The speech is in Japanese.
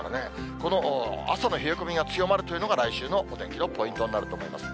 この朝の冷え込みが強まるというのが、来週のお天気のポイントになると思います。